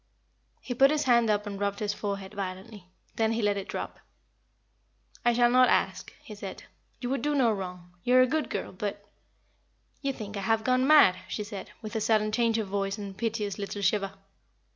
He put his hand up and rubbed his forehead violently. Then he let it drop. "I shall not ask," he said. "You would do no wrong. You are a good girl; but " "You think I have gone mad," she said, with a sudden change of voice and a piteous little shiver.